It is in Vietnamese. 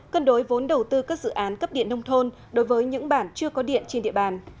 cân đối vốn đầu tư các dự án cấp điện nông thôn đối với những bản chưa có điện trên địa bàn